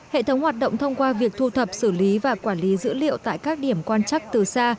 hệ thống hoạt động thông qua việc thu thập xử lý và quản lý dữ liệu tại các điểm quan chắc từ xa